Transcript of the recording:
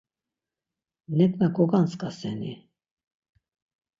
Neǩna gogantzasen-i?